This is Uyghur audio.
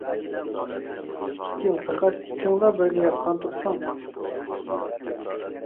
ئىككىڭ، پەقەت ئىككىڭلا بىرگە ياتقان تۇرساڭ؟ !